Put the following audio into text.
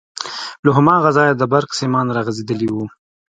له هماغه ځايه د برق سيمان راغځېدلي وو.